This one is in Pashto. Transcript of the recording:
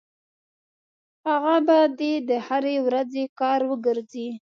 هغه به دې د هرې ورځې کار وګرځي.